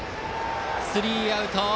スリーアウト！